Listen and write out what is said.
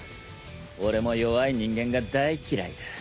俺も弱い人間が大嫌いだ。